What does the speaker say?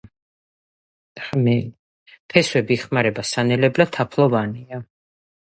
ფესვები იხმარება სანელებლად, თაფლოვანია.